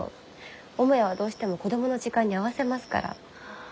母屋はどうしても子供の時間に合わせますから。